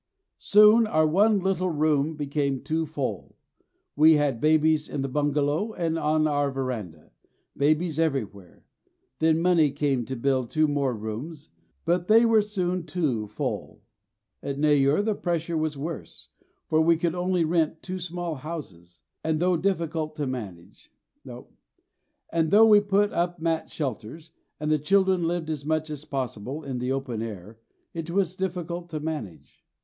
Soon our one little room became too full. We had babies in the bungalow and on our verandah, babies everywhere. Then money came to build two more rooms, but they were soon too full. At Neyoor the pressure was worse, for we could only rent two small houses; and though we put up mat shelters, and the children lived as much as possible in the open air, it was difficult to manage.